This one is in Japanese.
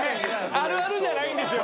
あるあるじゃないんですよ。